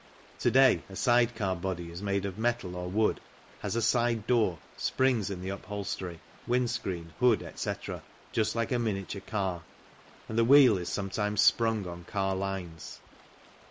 To day a side car body is made of metal or wood, has a side door, springs in the upholstery, windscreen, hood, etc., just like a miniature car, and the wheel is sometimes sprung on car lines.